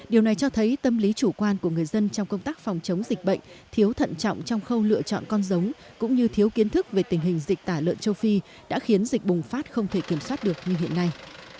điều này cho thấy tâm lý chủ quan của người dân trong công tác phòng chống dịch bệnh thiếu thận trọng trong khâu lựa chọn con giống cũng như thiếu kiến thức về tình hình dịch tả lợn châu phi đã khiến dịch bùng phát không thể kiểm soát được như hiện nay